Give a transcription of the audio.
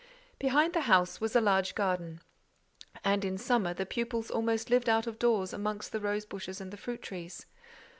Behind the house was a large garden, and, in summer, the pupils almost lived out of doors amongst the rose bushes and the fruit trees.